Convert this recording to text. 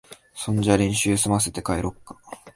そんじゃ練習すませて、帰ろっか。